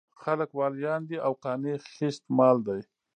خلک واليان دي او قانع خېشت مال دی.